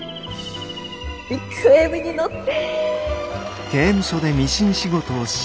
ビッグウエーブに乗って。